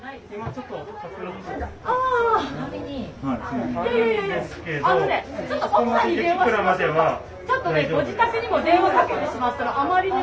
ちょっとねご自宅にも電話かけてしまったの。